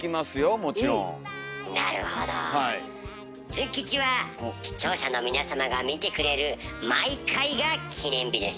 ズン吉は視聴者の皆様が見てくれる毎回が記念日です。